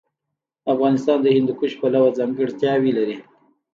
افغانستان د هندوکش پلوه ځانګړتیاوې لري.